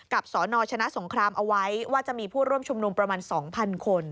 สนชนะสงครามเอาไว้ว่าจะมีผู้ร่วมชุมนุมประมาณ๒๐๐คน